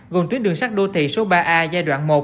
gồm tuyến đường sắt đô thị số ba a giai đoạn một